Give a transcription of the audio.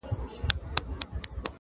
لا په زړه كي مي هغه نشه تازه ده!!